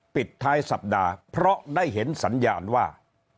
ปิดท้ายสัปดาห์เพราะได้เห็นสัญญาณว่า